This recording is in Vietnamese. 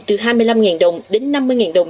từ hai mươi năm đồng đến năm mươi đồng